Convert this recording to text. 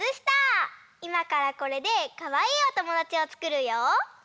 いまからこれでかわいいおともだちをつくるよ！